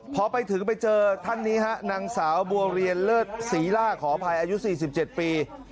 พอไปถึงไปเจอท่านนี้ฮะนางสาวบัวเรียนเลิศศรีล่าขออภัยอายุ๔๗ปี